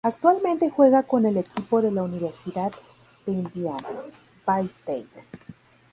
Actualmente juega con el equipo de la Universidad de Indiana, Ball State.